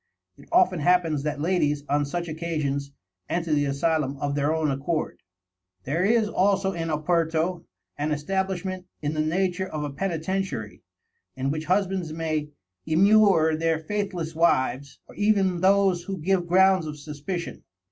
It often happens that ladies, on such occasions, enter the asylum of their own accord. There is also in Oporto an establishment in the nature of a Penitentiary, in which husbands may immure their faithless wives, or even those who give grounds of suspicion.